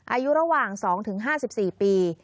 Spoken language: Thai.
อายุระหว่าง๒๕๔ปี